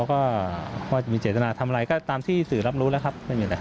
ก็จะมีเจตนาทำอะไรก็ตามที่สื่อรับรู้แล้วครับ